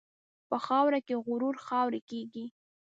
په خاوره کې غرور خاورې کېږي.